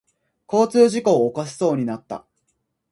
交通事故を起こしそうになった。